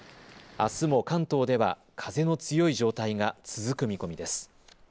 あすも関東では風の強い状態が続く見込みです。